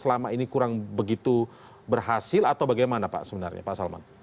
selama ini kurang begitu berhasil atau bagaimana pak sebenarnya pak salman